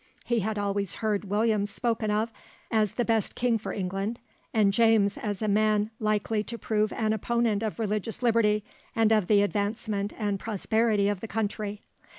He had always heard William spoken of as the best king for England, and James as a man likely to prove an opponent of religious liberty and of the advancement and prosperity of the country.